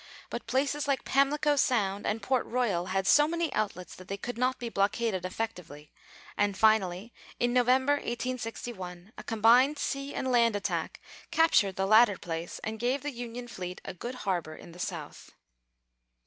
But places like Pamlico Sound and Port Royal had so many outlets that they could not be blockaded effectually, and finally, in November, 1861, a combined sea and land attack captured the latter place and gave the Union fleet a good harbor in the South.